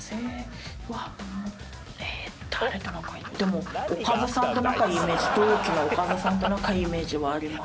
でもおかずさんと仲いいイメージ同期のおかずさんと仲いいイメージはあります。